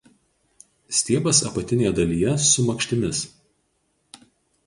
Stiebas apatinėje dalyje su makštimis.